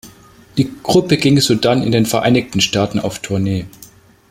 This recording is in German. Die Gruppe ging sodann in den Vereinigten Staaten auf Tournee.